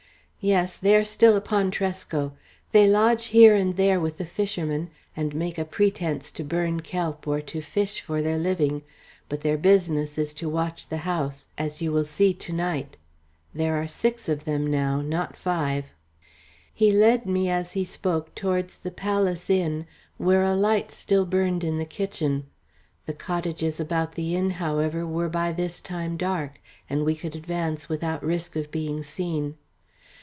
"Yes. They are still upon Tresco. They lodge here and there with the fishermen, and make a pretence to burn kelp or to fish for their living; but their business is to watch the house, as you will see to night. There are six of them now, not five." He led me as he spoke towards the "Palace Inn," where a light still burned in the kitchen. The cottages about the inn, however, were by this time dark, and we could advance without risk of being seen.